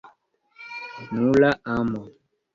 Nura amo!